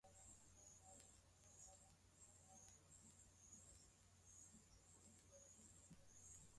maeneo ya ufugaji ambako huduma za tiba ya mifugo ni adimu